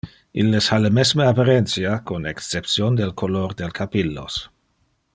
Illes ha le mesme apparentia, con exception del color del capillos.